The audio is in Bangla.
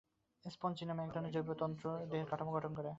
স্পঞ্জিন নামক এক ধরনের জৈবতন্তু দেহের কাঠামো গঠন করে।